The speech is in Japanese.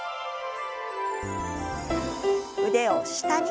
腕を下に。